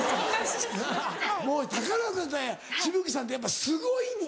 もう宝塚で紫吹さんってやっぱすごいんだ？